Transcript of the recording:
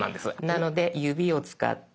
なので指を使って。